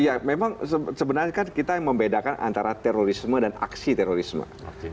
ya memang sebenarnya kan kita yang membedakan antara terorisme dan aksi terorisme